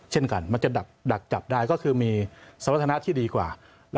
เช่นกันมันจะดักจับได้ก็คือมีสมรรถนะที่ดีกว่า